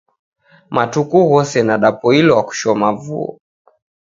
Matuku ghose nadapoilwa kushoma vuo